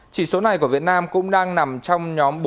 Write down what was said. chỉ số này của việt nam cũng đang nằm trong nhóm bốn